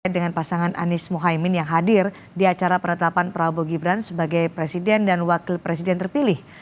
dengan pasangan anies mohaimin yang hadir di acara peretapan prabowo gibran sebagai presiden dan wakil presiden terpilih